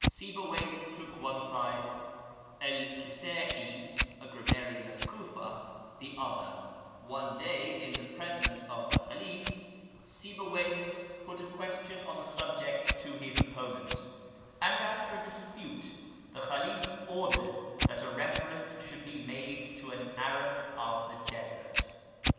Sibuwayh took one side; El Kisa'i, a grammarian of Cufa, the other. One day, in the presence of the •)/^/• The Arabic Language, 17 • Khalif, Sibuwayh put a question on the subject to his opponent, and after a dispute the Khalif ordered that a reference should be made to an Arab of the desert.